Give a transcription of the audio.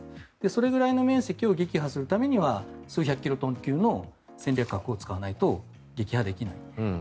それぐらいの面積を撃破するためには数百キロトン級の戦略核を使わないと撃破できない。